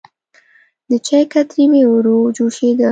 د چای کتری مې وروه جوشېده.